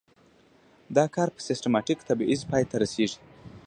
دا کار په سیستماتیک تبعیض پای ته رسیږي.